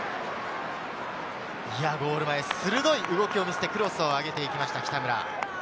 ゴール前、鋭い動きを見せて、クロスをあげていました北村。